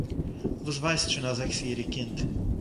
וואָס ווייסט שוין אַ זעקס-יעריג קינד